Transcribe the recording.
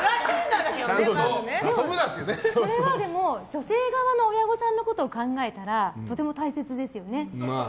それは女性側の親御さんのことを考えたらとても大切ですよね。